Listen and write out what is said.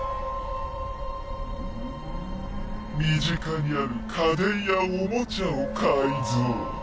身近にある家電やオモチャを改造。